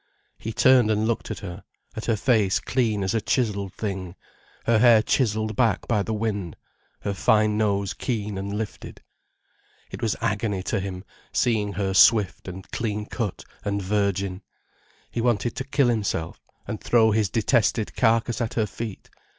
He turned and looked at her, at her face clean as a chiselled thing, her hair chiselled back by the wind, her fine nose keen and lifted. It was agony to him, seeing her swift and clean cut and virgin. He wanted to kill himself, and throw his detested carcase at her feet.